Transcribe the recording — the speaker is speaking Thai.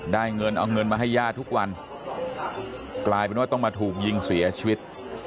เงินเอาเงินมาให้ย่าทุกวันกลายเป็นว่าต้องมาถูกยิงเสียชีวิต